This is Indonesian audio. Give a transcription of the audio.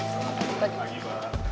selamat pagi mbak